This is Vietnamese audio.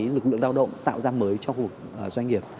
lực lượng đạo động tạo ra mới cho doanh nghiệp